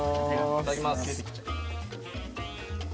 いただきます。